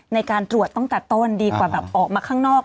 ในการตรวจตั้งแต่ต้นดีกว่าแบบออกมาข้างนอก